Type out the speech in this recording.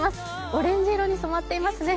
オレンジ色に染まっていますね